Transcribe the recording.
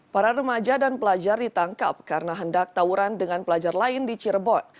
para remaja dan pelajar ditangkap karena hendak tawuran dengan pelajar lain di cirebon